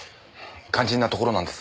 肝心なところなんです